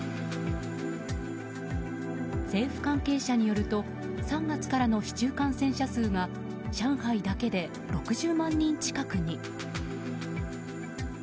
政府関係者によると３月からの市中感染者数が上海だけで６０万人近くに。